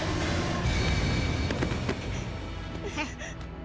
kamu merayu pengawal saya praja